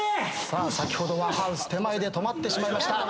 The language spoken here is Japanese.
さあ先ほどはハウス手前で止まってしまいました。